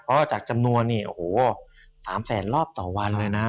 เพราะจากจำนวนเนี่ยโอ้โห๓แสนรอบต่อวันเลยนะ